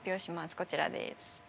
こちらです。